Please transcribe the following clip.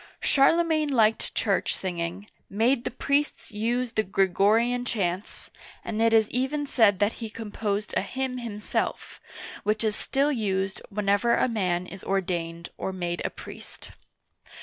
Charlemagne liked church singing, made the priests use the Gregorian chants, and it is even said that he composed a hymn himself, which is still used whenever a man is ordained or made a priest.